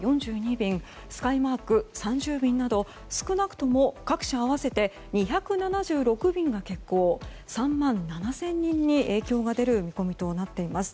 便スカイマーク、３０便など少なくとも各社合わせて２７６便が欠航３万７０００人に影響が出る見込みとなっています。